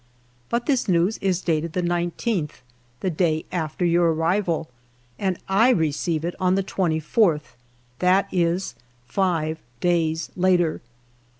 But this news is dated the 19th, the day after your arrival, and I receive it on the 24th; that is, five days later.